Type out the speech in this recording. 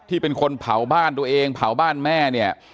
เป็นคนเผาบ้านตัวเองเผาบ้านแม่เนี่ย